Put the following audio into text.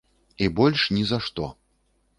І больш ні за што.